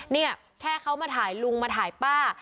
เนี่ยแค่เขามาถ่ายลุงมาถ่ายป้า